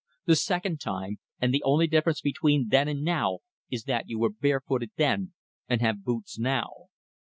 The second time; and the only difference between then and now is that you were bare footed then and have boots now.